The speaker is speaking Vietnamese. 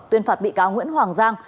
tuyên phạt bị cáo nguyễn hoàng giang